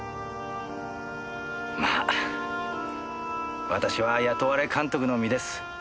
まあ私は雇われ監督の身です。